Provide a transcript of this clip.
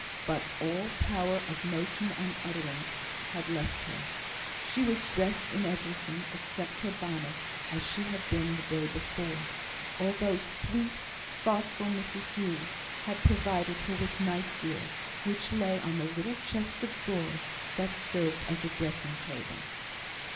But all power of motion and utterance had left her. She was dressed in everything, except her bonnet, as she had been the day before; although sweet, thoughtful Mrs Hughes had provided her with nightgear, which lay on the little chest of drawers that served as a dressing table.